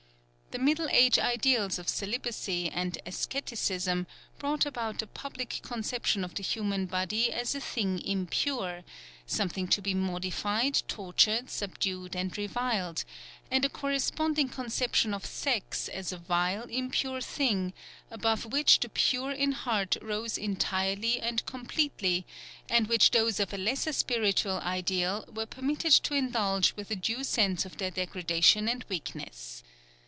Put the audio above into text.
The Middle Age ideals of celibacy and asceticism brought about the public conception of the human body as a thing impure something to be modified, tortured, subdued and reviled; and a corresponding conception of sex as a vile, impure thing above which the pure in heart rose entirely and completely, and which those of a lesser spiritual ideal were permitted to indulge with a due sense of their degradation and weakness.